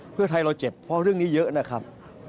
เพื่อไทยเราเจ็บเพราะเรื่องนี้เยอะนะครับ